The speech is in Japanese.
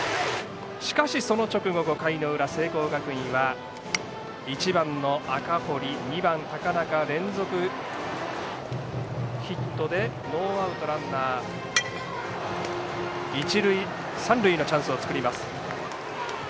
しかし、その直後５回の裏聖光学院は１番の赤堀、２番、高中連続ヒットでノーアウト、ランナー一塁三塁のチャンスを作ります。